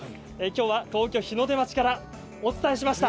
東京都日の出町からお伝えしました。